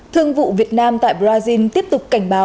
thương vụ việt nam tại brazil tiếp tục cảnh báo